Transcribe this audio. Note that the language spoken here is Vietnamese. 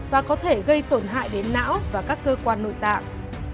và có thể gây tổn hại đến não và các cơ quan nội tạng